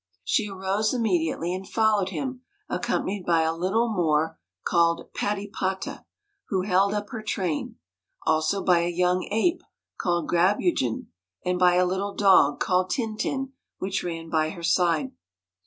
She arose immediately and followed him, accom panied by a little Moor, called Patypata, who held up her train ; also by a young ape, called Grabu geon, and by a little dog, called Tintin, which ran by her side.